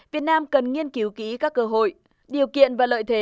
việt nam cần nghiên cứu kỹ các cơ hội điều kiện và lợi thế